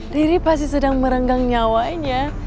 diri pasti sedang merenggang nyawanya